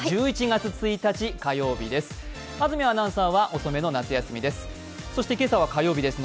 １１月１日火曜日です。